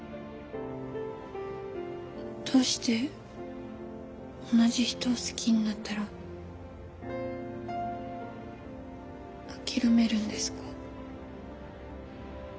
どうして同じ人を好きになったら諦めるんですか？